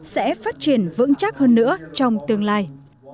sẽ phát triển vững chắc hơn nữa trong tương lai